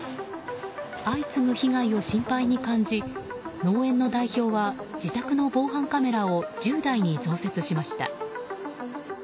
相次ぎ被害を心配に感じ農園の代表は自宅の防犯カメラを１０台に増設しました。